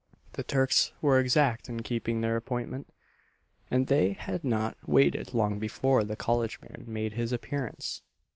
The Turks were exact in keeping their appointment, and they had not waited long before "the college man" made his appearance.